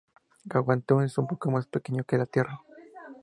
Kwantung es un poco más pequeño que la tierra.